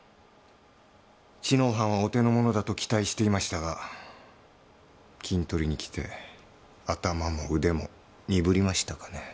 知能犯はお手のものだと期待していましたがキントリに来て頭も腕も鈍りましたかね。